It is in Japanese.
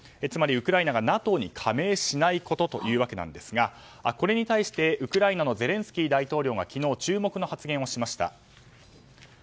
つまりウクライナがＮＡＴＯに加盟しないことというわけなんですがこれに対して、ウクライナのゼレンスキー大統領が昨日、注目の発言をしました。